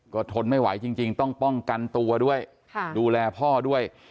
ก็ทนไม่ไหวจริงต้องป้องกันตัวด้วยดูแลพ่อด้วย